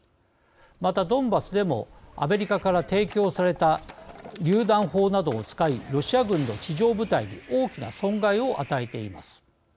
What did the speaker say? またドンバスでもアメリカから提供されたりゅう弾砲などを使いロシア軍の地上部隊に大きな損害を与えています。